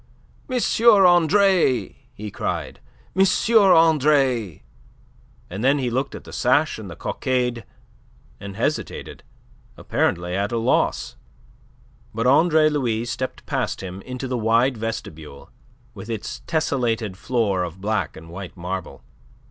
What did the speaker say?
"M. Andre!" he cried. "M. Andre!" And then he looked at the sash and the cockade, and hesitated, apparently at a loss. But Andre Louis stepped past him into the wide vestibule, with its tessellated floor of black and white marble.